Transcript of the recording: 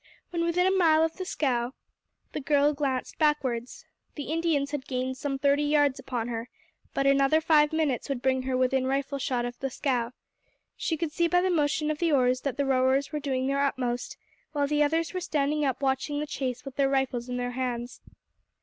When within a mile of the scow, the girl glanced backwards. The Indians had gained some thirty yards upon her; but another five minutes would bring her within rifle shot of the scow. She could see by the motion of the oars that the rowers were doing their utmost, while the others were standing up watching the chase with their rifles in their hands.